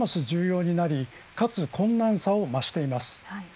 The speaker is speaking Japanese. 重要になりかつ、困難さを増しています。